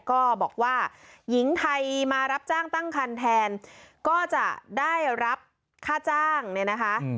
ก็บอกว่าหญิงไทยมารับจ้างตั้งคันแทนก็จะได้รับค่าจ้างเนี่ยนะคะ